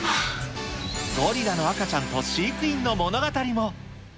ゴリラの赤ちゃんと飼育員の